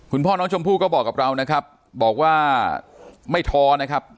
คุณพ่อน้องชมพู่ก็บอกกับเรานะครับบอกว่าไม่ท้อนะครับ